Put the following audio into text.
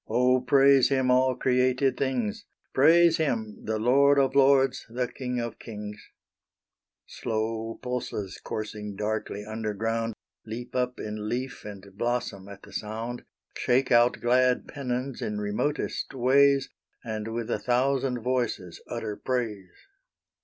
Oh praise Him all created things, Praise Him, the Lord of lords, the King of kings Slow pulses coursing darkly underground, Leap up in leaf and blossom at the sound, Shake out glad pennons in remotest ways, And with a thousand voices utter praise.